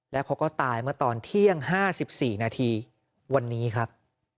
แล้วเขาก็ตายเมื่อตอนเที่ยง๕๔นาทีวันนี้ครับ